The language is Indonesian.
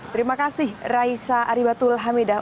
terima kasih raisa aribatul hamidah